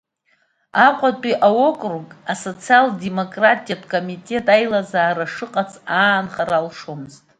Аҟәатәи аокруг асоциал-демократиатә комитет аилазаара шыҟац аанхара алшомызт.